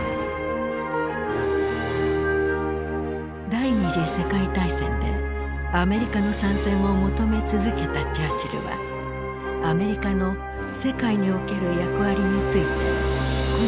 第二次世界大戦でアメリカの参戦を求め続けたチャーチルはアメリカの世界における役割についてこんな言葉を残している。